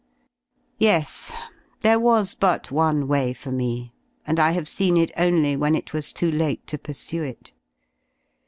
Yes ! There was but one way for me, and I have seen it only when it was too late to pursue it.